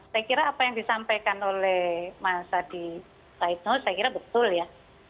saya kira apa yang disampaikan oleh mas adi saidno saya kira betul ya